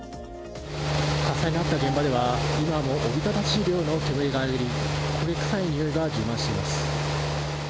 火災があった現場には今もおびただしい量の煙が上がり焦げ臭いにおいが充満しています。